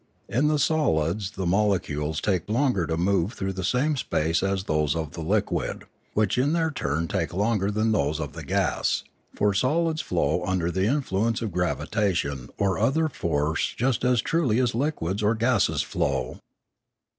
In the solids the molecules take longer to move through the same space than those of the liquid, which in their turn take longer than those of the gas; for solids flow under the influence of gravitation or other force just as truly as liquids or gases flow.